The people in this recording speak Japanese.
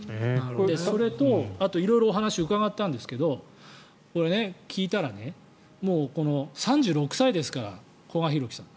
それと、あと色々お話を伺ったんですが聞いたら３６歳ですから、古賀大貴さん。